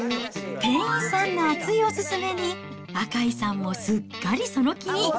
店員さんの熱いお勧めに、赤井さんもすっかりその気に。